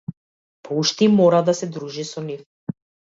Па уште и мора да се дружи со нив.